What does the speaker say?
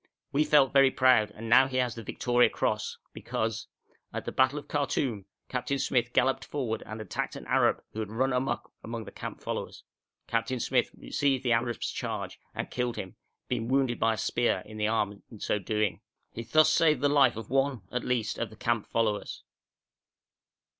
We felt very proud, and now he has the Victoria Cross, because 'At the battle of Khartoum Captain Smyth galloped forward and attacked an Arab who had run amok among the camp followers. Captain Smyth received the Arab's charge and killed him, being wounded by a spear in the arm in so doing. He thus saved the life of one, at least, of the camp followers.'